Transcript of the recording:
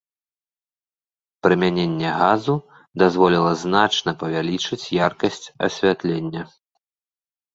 Прымяненне газу дазволіла значна павялічыць яркасць асвятлення.